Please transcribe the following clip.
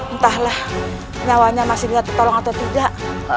entahlah nyawanya masih dia tertolong atau tidak